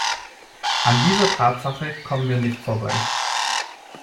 An dieser Tatsache kommen wir nicht vorbei.